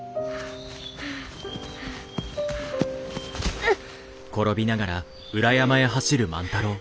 うっ。